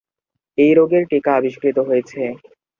এই রোগের টিকা আবিষ্কৃত হয়েছে।